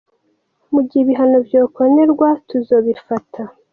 Mu gihe ibihano vyokenerwa , tuzobifata.